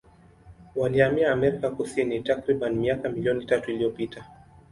Walihamia Amerika Kusini takribani miaka milioni tatu iliyopita.